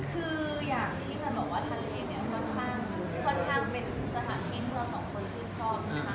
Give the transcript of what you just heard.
คืออย่างที่แพทย์บอกว่าทะเลเนี่ยค่อนข้างเป็นสถานที่ที่เราสองคนชื่นชอบนะคะ